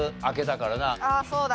そうだ！